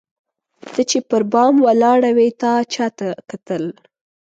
ته چي پر بام ولاړه وې تا چاته کتل؟